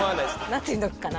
何ていうのかな